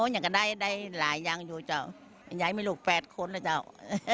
ยายไม่รู้๘คนล่ะจ้าว